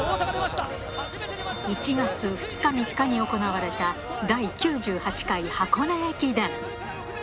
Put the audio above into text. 今、１月２日、３日に行われた、第９８回箱根駅伝。